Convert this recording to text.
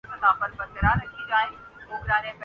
دوسروں پر بھروسہ کرتا ہوں